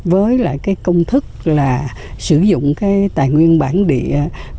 với công thức sử dụng tài nguyên bản địa